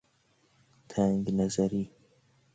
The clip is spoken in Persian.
تنک نظری